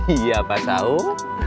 iya pak saum